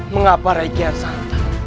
mengapa rakyat santa